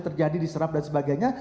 terjadi diserap dan sebagainya